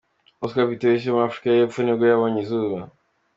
Oscar Pistorius wo muri Afurika y’epfo nibwo yabonye izuba.